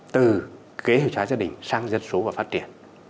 từ kế hoạch trái gia đình sang dân số và phát triển